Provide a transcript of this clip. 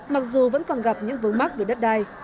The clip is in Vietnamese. mặc dù vẫn còn gặp những vướng mắc đối đất đai